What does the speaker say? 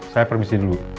saya permisiin dulu